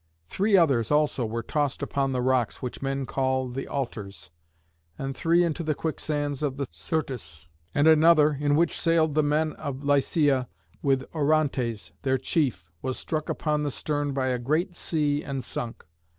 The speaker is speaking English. Three others also were tossed upon the rocks which men call the "Altars," and three into the quicksands of the Syrtis. And another, in which sailed the men of Lycia, with Orontes, their chief, was struck upon the stern by a great sea and sunk.